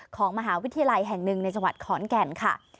ของมหาวิทยาลัยแห่งหนึ่งในจังหวัดขอนแก่นค่ะ